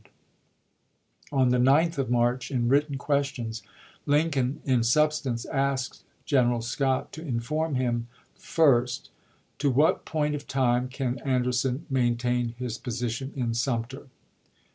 d)' On the 9th of March, in written questions, Lin ubl coin in substance asked General Scott to inform him: 1st. To what point of time can Anderson maintain his position in Sumter?